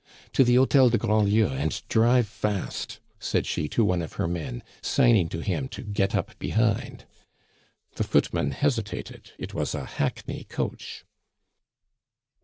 "To the Hotel de Grandlieu, and drive fast," said she to one of her men, signing to him to get up behind. The footman hesitated it was a hackney coach.